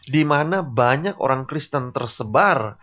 dimana banyak orang kristen tersebar